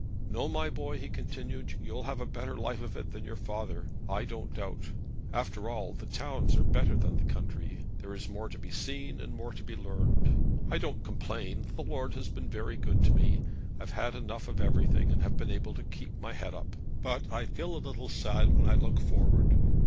'No, my boy,' he continued, 'you'll have a better life of it than your father, I don't doubt. After all, the towns are better than the country. There is more to be seen and more to be learned. I don't complain. The Lord has been very good to me. I've had enough of everything, and have been able to keep my head up. But I feel a little sad when I look forward.